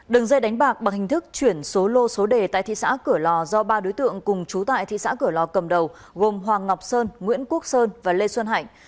đường dây đánh bạc bằng hình thức chuyển số lô số đề tại thị xã cửa lò do ba đối tượng cùng chú tại thị xã cửa lò cầm đầu gồm hoàng ngọc sơn nguyễn quốc sơn và lê xuân hạnh